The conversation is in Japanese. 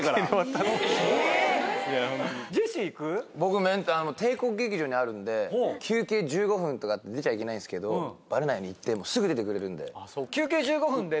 あといやホントに僕あの帝国劇場にあるので休憩１５分とかって出ちゃいけないんですけどバレないように行ってもうすぐ出てくれるんで・ええ・